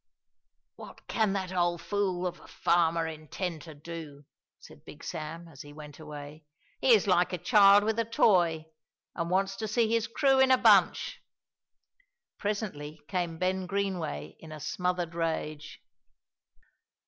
"What can that old fool of a farmer intend to do?" said Big Sam, as he went away; "he is like a child with a toy, and wants to see his crew in a bunch." Presently came Ben Greenway in a smothered rage.